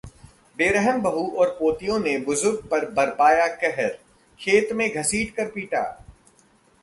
बेरहम बहू और पोतियों ने बुजुर्ग पर बरपाया कहर, खेत में घसीटकर पीटा